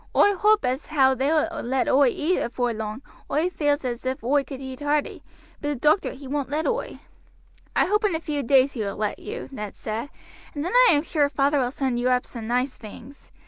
Oi hoap as how they will let oi eat afore long; oi feels as if oi could hearty, but the doctor he woin't let oi." "I hope in a few days he will let you," Ned said, "and then I am sure father will send you up some nice things.